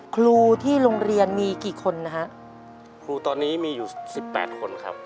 ครูที่โรงเรียนมีกี่คนนะฮะครูตอนนี้มีอยู่สิบแปดคนครับ